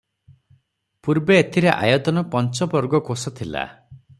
ପୂର୍ବେ ଏଥିର ଆୟତନ ପଞ୍ଚବର୍ଗକୋଶ ଥିଲା ।